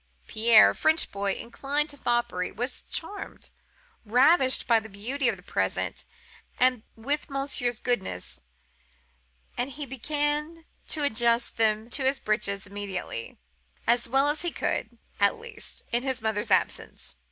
Pierre, a French boy, inclined to foppery, was charmed, ravished by the beauty of the present and with monsieur's goodness, and he began to adjust them to his breeches immediately, as well as he could, at least, in his mother's absence.